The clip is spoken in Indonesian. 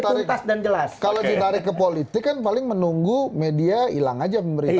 jadi makanya kalau ditarik ke politik kan paling menunggu media hilang aja pemberitaan